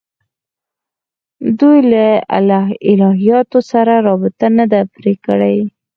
دوی له الهیاتو سره رابطه نه ده پرې کړې.